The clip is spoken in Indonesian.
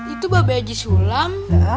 itu bapak di sulam